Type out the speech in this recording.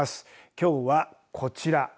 きょうはこちら。